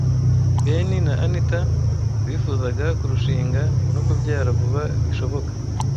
Ben na Anita bifuzaga kurushinga no kubyara vuba bishoboka.